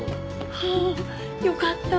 ああよかった！